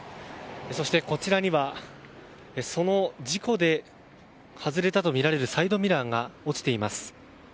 そして、こちらにはその事故で外れたとみられるサイドミラーが落ちています。